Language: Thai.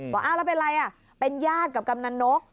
บอกว่าเราเป็นอะไรเป็นญาติกับกำนันนก